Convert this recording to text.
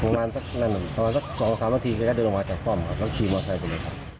ประมาณสักนั้นประมาณสักสองสามทีเขาก็เดินลงมาจากปอมกับรถชีมอเซอร์